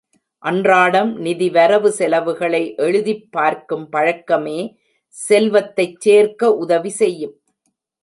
அன்றாடம் நிதி வரவு செலவுகளை எழுதிப் பார்க்கும் பழக்கமே செல்வத்தைச் சேர்க்க உதவி செய்யும்.